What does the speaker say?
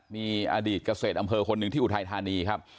มีอดีตเกษตรอำเภอคนหนึ่งที่อุทัยธานีครับ